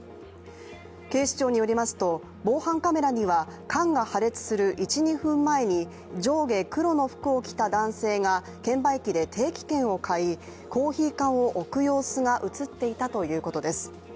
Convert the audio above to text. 警視庁によりますと、防犯カメラには缶が破裂する１、２分前に上下黒の服を着た男性が、券売機で定期券を買いコーヒー缶を置く様子が映っていたということです。